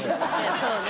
そうね。